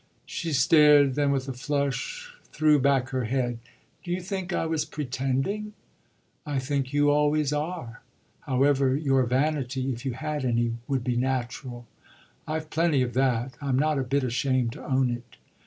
She stared, then with a flush threw back her head. "Do you think I was pretending?" "I think you always are. However, your vanity if you had any! would be natural." "I've plenty of that. I'm not a bit ashamed to own it."